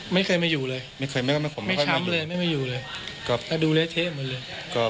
ไม่เคยมาอยู่เลยไม่ช้ำเลยไม่มาอยู่เลยแล้วดูแล้วเท่มันเลย